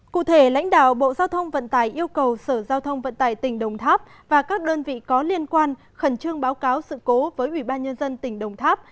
cụ thể lãnh đạo bộ giao thông vận tải yêu cầu sở giao thông vận tải tỉnh đồng tháp và các đơn vị có liên quan khẩn trương báo cáo sự cố với ubnd tỉnh đồng tháp